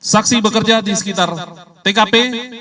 saksi bekerja di sekitar tkp